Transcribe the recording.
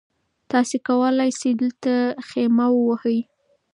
تاسي کولای شئ دلته خیمه ووهئ.